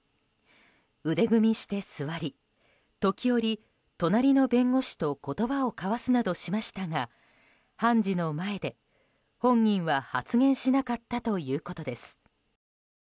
腕組みして座り時折、隣の弁護士と言葉を交わすなどしましたが判事の前で本人は発言しなかったということです。